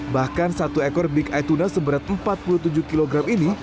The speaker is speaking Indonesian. bahkan satu ekor big eye tuna seberat empat puluh tujuh kg ini